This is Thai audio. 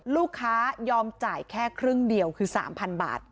ยอมจ่ายแค่ครึ่งเดียวคือ๓๐๐๐บาท